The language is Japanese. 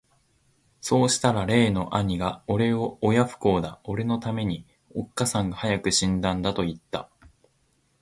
さうしたら例の兄がおれを親不孝だ、おれの為めに、おつかさんが早く死んだんだと云つた。